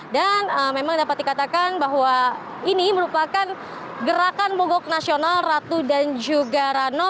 dan memang dapat dikatakan bahwa ini merupakan gerakan mogok nasional ratu dan juga herano